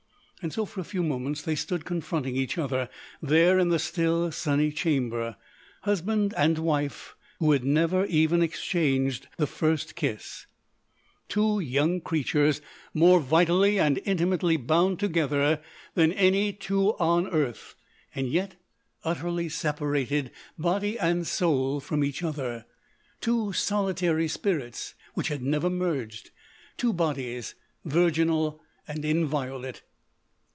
So, for a few moments they stood confronting each other there in the still, sunny chamber—husband and wife who had never even exchanged the first kiss—two young creatures more vitally and intimately bound together than any two on earth—yet utterly separated body and soul from each other—two solitary spirits which had never merged; two bodies virginal and inviolate.